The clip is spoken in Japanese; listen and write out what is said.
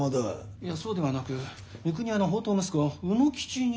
いやそうではなく三国屋の放蕩息子卯之吉に。